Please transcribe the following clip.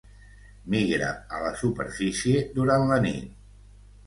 Migra a la superfície durant la nit.